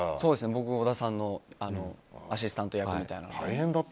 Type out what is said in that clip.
僕は織田さんのアシスタント役みたいな。